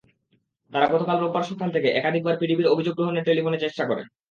তাঁরা গতকাল রোববার সকাল থেকে একাধিকবার পিডিবির অভিযোগ গ্রহণের টেলিফোনে চেষ্টা করেন।